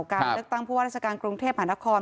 การเลือกตั้งผู้ว่าราชการกรุงเทพหานคร